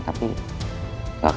tapi gak ketemu kan